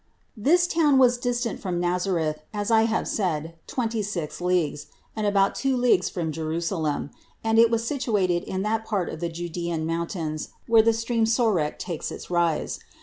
211. This town was distant from Nazareth, as I have said, twenty six leagues, and about two leagues from Jerusalem, and it was situated in that part of the Judean mountains, where the stream Sorec takes its rise.